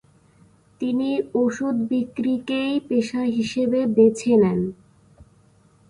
তিনি ওষুধ বিক্রিকেই পেশা হিসেবে বেছে নেন।